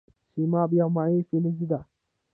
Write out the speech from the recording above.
سیماب یو مایع فلز دی.